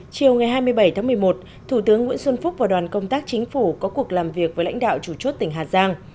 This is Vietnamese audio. chiều ngày hai mươi bảy tháng một mươi một thủ tướng nguyễn xuân phúc và đoàn công tác chính phủ có cuộc làm việc với lãnh đạo chủ chốt tỉnh hà giang